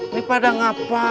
ini pada apa